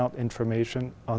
phương tiện phát triển